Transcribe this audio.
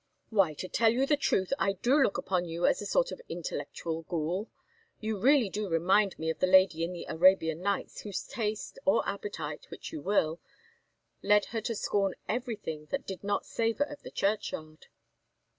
"Why, to tell you the truth, I do look upon you as a sort of intellectual ghoul; you really do remind me of the lady in the Arabian Nights, whose taste or appetite, which you will, led her to scorn everything that did not savour of the churchyard."